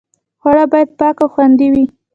خواړه باید پاک او خوندي وي.